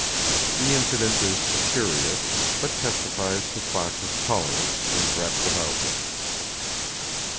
The incident is curious, but testifies to Fox's tolerance and breadth of outlook.